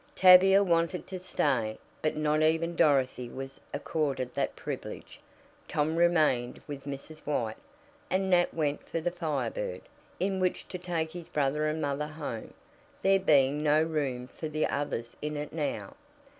Tavia wanted to stay, but not even Dorothy was accorded that privilege. Tom remained with Mrs. White, and Nat went for the Fire Bird, in which to take his brother and mother home, there being no room for the others in it now.